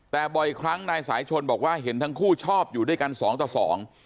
แต่บ่อยครั้งนายสายชนบอกว่าเห็นทั้งคู่ชอบอยู่ด้วยกันสองต่อสอง